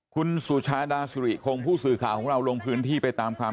คุณสุชาดาสุริคงผู้สื่อข่าวของเราลงพื้นที่ไปตามความ